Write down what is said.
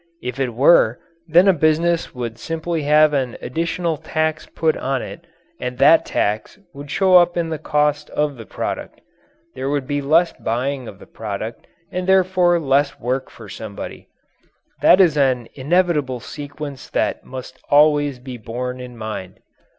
If it were, then a business would simply have an additional tax put upon it, and that tax would show up in the cost of the product. There would be less buying of the product and therefore less work for somebody. That is an inevitable sequence that must always be borne in mind.